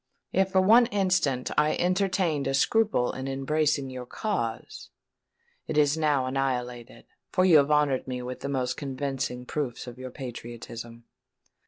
"If for one instant I entertained a scruple in embracing your cause, it is now annihilated; for you have honoured me with the most convincing proofs of your patriotism."